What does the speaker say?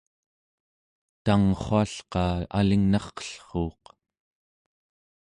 tangrrualqa alingnarqellruuq